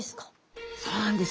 そうなんです。